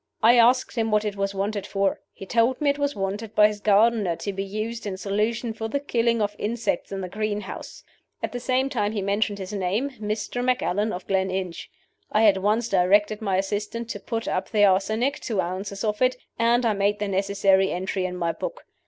I asked him what it was wanted for. He told me it was wanted by his gardener, to be used, in solution, for the killing of insects in the greenhouse. At the same time he mentioned his name Mr. Macallan, of Gleninch. I at once directed my assistant to put up the arsenic (two ounces of it), and I made the necessary entry in my book.